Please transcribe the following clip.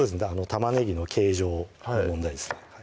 玉ねぎの形状の問題ですね